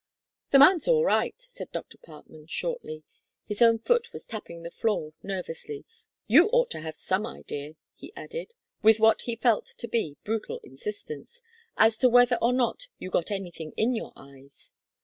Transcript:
"The man's all right," said Dr. Parkman shortly. His own foot was tapping the floor nervously. "You ought to have some idea," he added, with what he felt to be brutal insistence, "as to whether or not you got anything in your eyes."